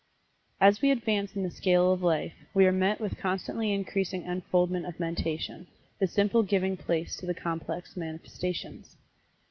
As we advance in the scale of life, we are met with constantly increasing unfoldment of mentation, the simple giving place to the complex manifestations.